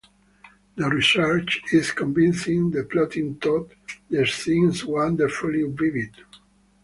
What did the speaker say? The research is convincing, the plotting taut, the scenes wonderfully vivid.